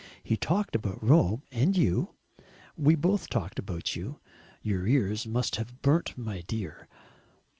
He talked about Rome and you; we both talked about you. Your ears must have burnt, my dear...."